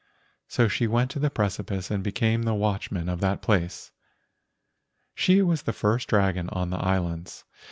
So she went to the precipice and became the watchman of that place. She was the first dragon on the islands.